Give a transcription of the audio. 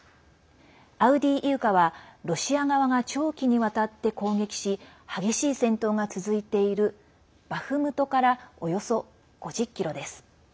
アウディーイウカはロシア側が長期にわたって攻撃し激しい戦闘が続いているバフムトからおよそ５０ｋｍです。